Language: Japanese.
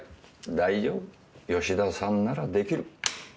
大丈夫吉田さんならできる。